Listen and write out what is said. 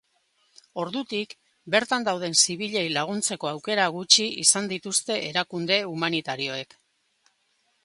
Ordutik, bertan dauden zibilei laguntzeko aukera gutxi izan dituzte erakunde humanitarioek.